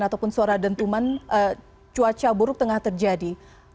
ataupun suara dentuman cuaca buruk tengah terjadi